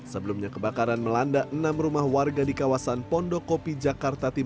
sebelumnya kebakaran melanda enam rumah warga di kawasan pondokopi jakarta